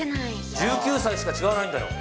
１９歳しか違わないんだよ。